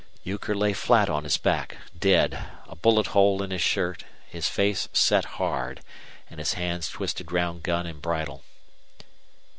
Euchre lay flat on his back, dead, a bullet hole in his shirt, his face set hard, and his hands twisted round gun and bridle.